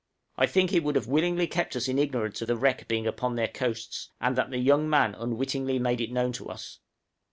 I think he would willingly have kept us in ignorance of the wreck being upon their coasts, and that the young man unwittingly made it known to us.